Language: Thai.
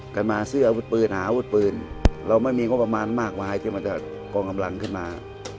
กันมาซื้ออาวุธปืนหาอาวุธปืนเราไม่มีงบประมาณมากมายที่มันจะกองกำลังขึ้นมา